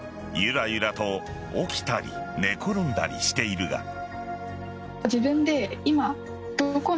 ゆらゆらと起きたり寝転んだりしているが。